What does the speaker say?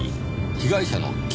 被害者の傷？